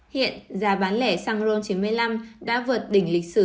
hiện giá bán lẻ xăng ron chín mươi năm đã vượt đỉnh lịch sử